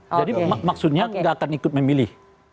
jadi maksudnya nggak akan ikut memilih